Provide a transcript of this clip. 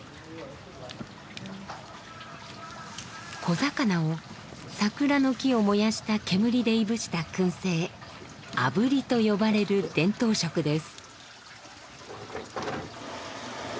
小魚を桜の木を燃やした煙でいぶしたくん製「あぶり」と呼ばれる伝統食です。